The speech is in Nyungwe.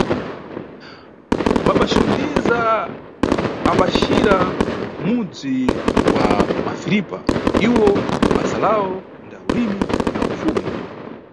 Baba Xundiza ambaxira kumudzi wa Mafiripa, iwo basa lawo nda ulimi na ufuwi.